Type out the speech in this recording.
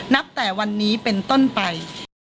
นับแต่วันนี้เป็นต้นไป